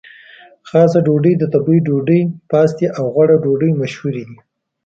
خاصه ډوډۍ، د تبۍ ډوډۍ، پاستي او غوړه ډوډۍ مشهورې دي.